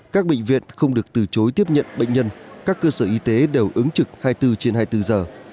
các bệnh viện không được từ chối tiếp nhận bệnh nhân các cơ sở y tế đều ứng trực hai mươi bốn trên hai mươi bốn giờ